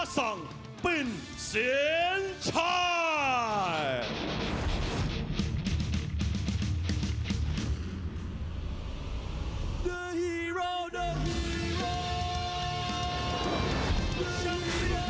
สวัสดีครับทุกคน